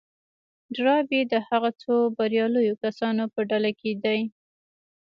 ډاربي د هغو څو برياليو کسانو په ډله کې دی.